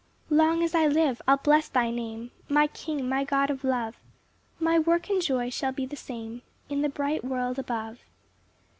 1 Long as I live I'll bless thy Name, My King, my God of love; My work and joy shall be the same In the bright world above.